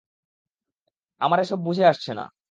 আমার এসব বুঝে আসছে না।